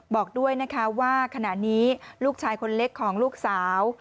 บอกด้วยนะคะว่าขณะนี้ลูกชายคนเล็กของลูกสาว